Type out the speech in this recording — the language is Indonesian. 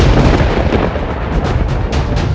untuk membuatnya terakhir